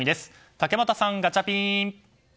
竹俣さん、ガチャピン。